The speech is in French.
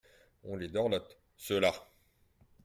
On les dorlote, ceux-là !…